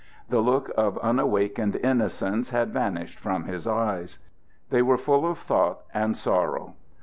The look of unawakened innocence had vanished from his eyes. They were full of thought and sorrow.